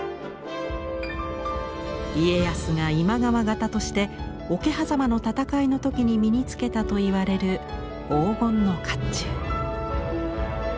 家康が今川方として桶狭間の戦いの時に身に着けたといわれる黄金の甲冑。